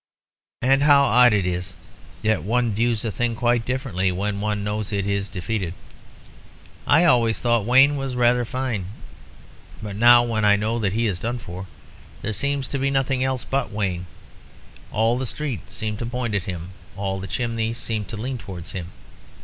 "And how odd it is that one views a thing quite differently when one knows it is defeated! I always thought Wayne was rather fine. But now, when I know that he is done for, there seem to be nothing else but Wayne. All the streets seem to point at him, all the chimneys seem to lean towards him.